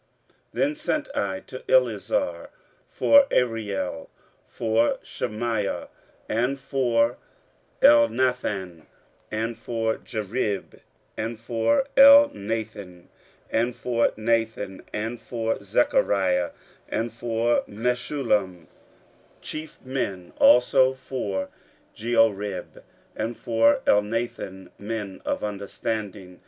15:008:016 Then sent I for Eliezer, for Ariel, for Shemaiah, and for Elnathan, and for Jarib, and for Elnathan, and for Nathan, and for Zechariah, and for Meshullam, chief men; also for Joiarib, and for Elnathan, men of understanding.